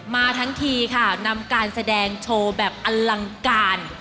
มาทั้งทีค่ะนำการแสดงโชว์แบบอลังการ